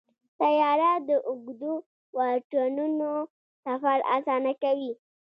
طیاره د اوږدو واټنونو سفر اسانه کوي.